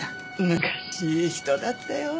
難しい人だったよ。